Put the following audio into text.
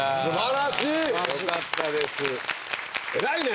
偉いね！